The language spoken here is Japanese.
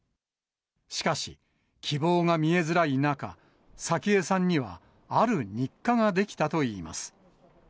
しかし、希望が見えづらい中、早紀江さんにはある日課が出来たといいます。